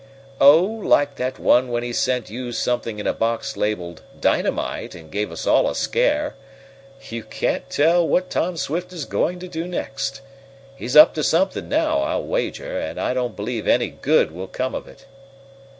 "Oh, like that one when he sent you something in a box labeled 'dynamite,' and gave us all a scare. You can't tell what Tom Swift is going to do next. He's up to something now, I'll wager, and I don't believe any good will come of it."